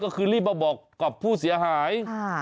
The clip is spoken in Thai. ก็คือรีบมาบอกกับผู้เสียหาย